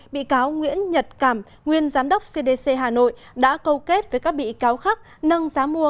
bị cáo nguyễn nhật cảm nguyên giám đốc cdc hà nội đã câu kết với các bị cáo khác nâng giá mua